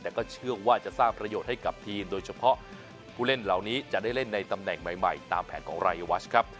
แต่ก็เชื่อว่าจะสร้างประโยชน์ให้กับทีมโดยเฉพาะผู้เล่นเหล่านี้จะได้เล่นในตำแหน่งใหม่ตามแผนของรายวัชครับ